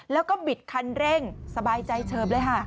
แล้วก็บิดคันเร่งสบายใจเฉิบเลยค่ะ